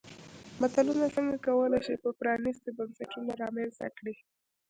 ملتونه څنګه کولای شي چې پرانیستي بنسټونه رامنځته کړي.